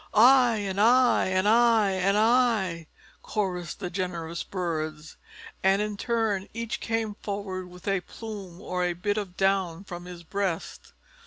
"I!" and "I!" and "I!" and "I!" chorused the generous birds. And in turn each came forward with a plume or a bit of down from his breast.